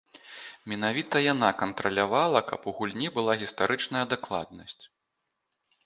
Менавіта яна кантралявала, каб у гульні была гістарычная дакладнасць.